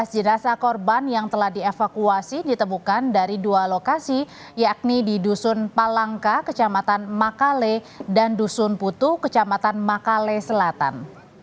sebelas jenazah korban yang telah dievakuasi ditemukan dari dua lokasi yakni di dusun palangka kecamatan makale dan dusun putu kecamatan makale selatan